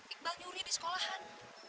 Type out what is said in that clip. iqbal nyuri di sekolahan